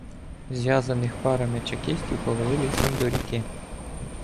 Зв'язаних парами чекістів повели лісом до ріки.